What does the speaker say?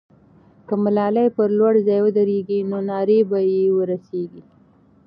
که ملالۍ پر لوړ ځای ودرېږي، نو ناره به یې ورسېږي.